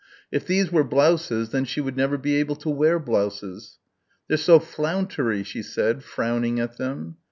If these were blouses then she would never be able to wear blouses.... "They're so flountery!" she said, frowning at them.